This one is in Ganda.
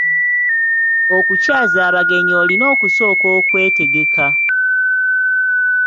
Okukyaza abagenyi olina okusooka okwetegeka.